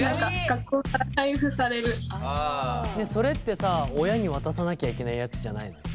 それってさ親に渡さなきゃいけないやつじゃないの？